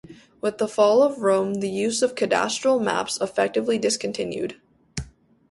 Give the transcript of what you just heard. With the fall of Rome the use of cadastral maps effectively discontinued.